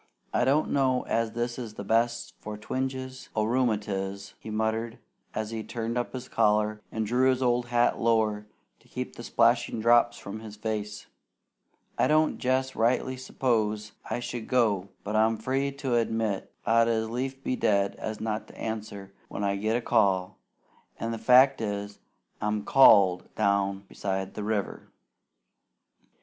"I don't know as this is the best for twinges o' rheumatiz," he muttered, as he turned up his collar and drew his old hat lower to keep the splashing drops from his face. "I don't jest rightly s'pose I should go; but I'm free to admit I'd as lief be dead as not to answer when I get a call, an' the fact is, I'm CALLED down beside the river."